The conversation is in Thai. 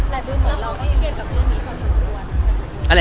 แต่ดูเหมือนเราก็เครียดกับเรื่องนี้พอสมควรนะคะ